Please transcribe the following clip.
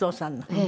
ええ。